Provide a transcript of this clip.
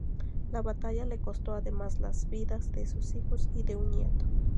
La batalla le costó además las vidas de sus hijos y de un nieto.